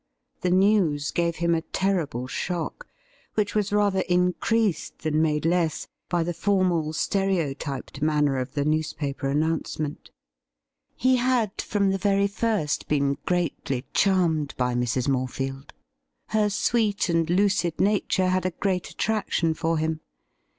The news gave him a terrible shock, which was rather increased than made less by the formal stereotyped manner of the newspaper announcement. He had from the very first been greatly charmed by Mrs. Morefield. Her sweet and lucid nature 148 THE RIDDLE RING had a great attraction for him.